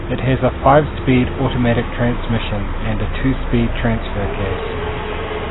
It has a five speed automatic transmission and a two speed transfer case.